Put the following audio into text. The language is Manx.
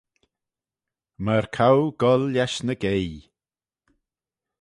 Myr coau goll lesh-ny-geayee.